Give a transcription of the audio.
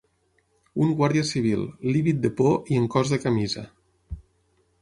Un guàrdia civil, lívid de por i en cos de camisa